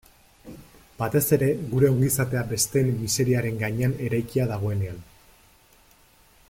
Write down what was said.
Batez ere, gure ongizatea besteen miseriaren gainean eraikia dagoenean.